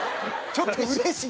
ちょっとうれしい？